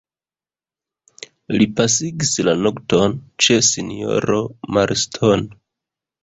Li pasigis la nokton ĉe sinjoro Marston.